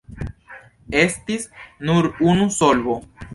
Estis nur unu solvo.